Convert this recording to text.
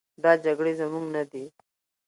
دا جګړې زموږ نه دي.